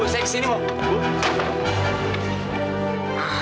bu saya ke sini mau